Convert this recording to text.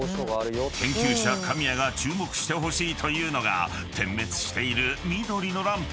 ［研究者カミヤが注目してほしいというのが点滅している緑のランプの意味］